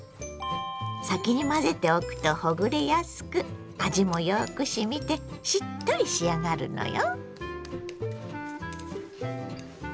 先に混ぜておくとほぐれやすく味もよくしみてしっとり仕上がるのよ。